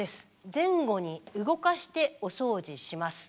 「前後に動かしてお掃除します。